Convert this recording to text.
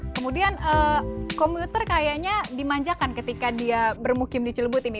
kemudian komuter kayaknya dimanjakan ketika dia bermukim di cilebut ini